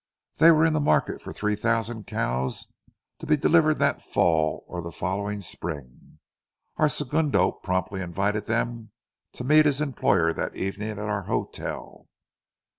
They were in the market for three thousand cows, to be delivered that fall or the following spring. Our segundo promptly invited them to meet his employer that evening at our hotel.